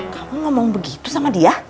kamu ngomong begitu sama dia